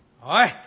はい。